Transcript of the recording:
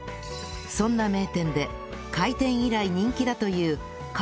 そんな名店で開店以来人気だといううわ何？